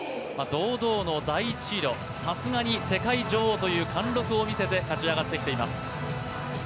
堂々の第１シード、さすがに世界女王という貫禄を見せて勝ち上がってきています。